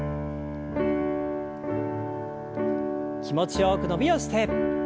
気持ちよく伸びをして。